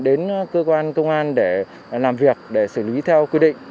đến cơ quan công an để làm việc để xử lý theo quy định